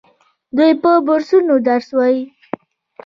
دوی په بورسونو درس وايي.